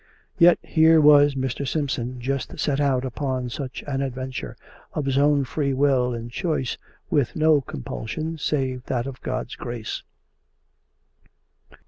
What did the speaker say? Yet here was Mr. Simpson just set out upon such an adventure, of his own free will and choice, with no compulsion save that of God's grace.